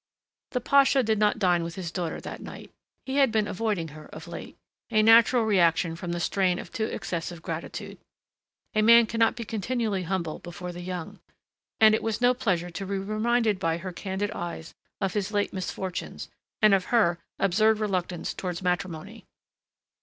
The pasha did not dine with his daughter that night. He had been avoiding her of late, a natural reaction from the strain of too excessive gratitude. A man cannot be continually humble before the young! And it was no pleasure to be reminded by her candid eyes of his late misfortunes and of her absurd reluctance towards matrimony.